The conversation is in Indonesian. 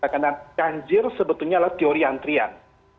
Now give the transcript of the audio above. karena kanjir sebetulnya adalah teori antrian